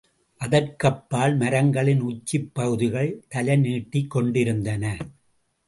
அதற்கப்பால், மரங்களின் உச்சிப் பகுதிகள் தலைநீட்டிக் கொண்டிருந்தன.